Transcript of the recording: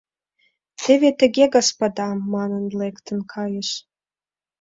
— Теве тыге, господа, — манын, лектын кайыш.